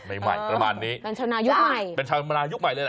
ใหม่ใหม่ประมาณนี้เป็นชาวนายุคใหม่เป็นชาวมรายุคใหม่เลยแหละ